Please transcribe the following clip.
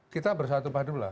kita bersatu padulah